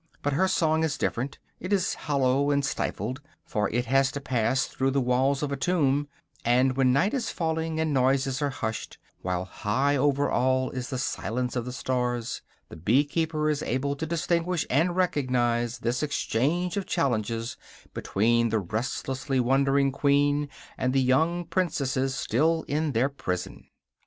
But her song is different; it is hollow and stifled, for it has to pass through the walls of a tomb; and when night is falling and noises are hushed, while high over all is the silence of the stars, the bee keeper is able to distinguish, and recognize, this exchange of challenges between the restlessly wandering queen and the young princesses still in their prison.